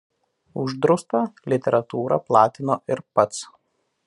Uždraustą literatūrą platino ir pats.